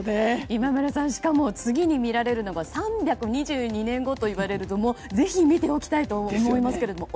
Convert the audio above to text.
今村さんしかも次に見られるのが３２２年後といわれるともう、ぜひ見ておきたいと思いますけれども。